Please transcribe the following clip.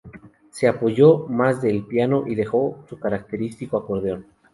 Se apoyó más del piano y dejó su característico acordeón.